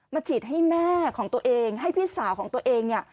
ฉีดให้แม่ของตัวเองให้พี่สาวของตัวเองเนี่ย